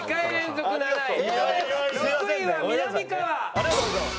ありがとうございます！